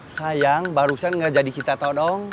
sayang barusan nggak jadi kita tolong